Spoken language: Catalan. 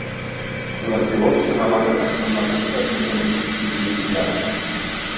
Les llavors són alades amb la testa més o menys lignificada.